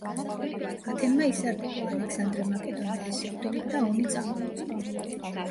ათენმა ისარგებლა ალექსანდრე მაკედონელის სიკვდილით და ომი წამოიწყო.